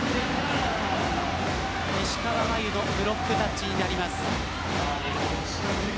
石川真佑のブロックタッチになります。